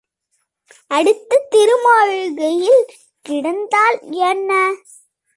அடுத்த திருமாளிகையில் கிடந்தால் என்ன?